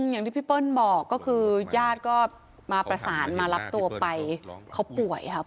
อย่างที่พี่เปิ้ลบอกก็คือญาติก็มาประสานมารับตัวไปเขาป่วยครับ